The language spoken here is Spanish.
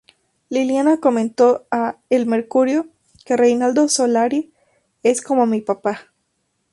Liliana comentó a El Mercurio que Reinaldo Solari “es como mi papá.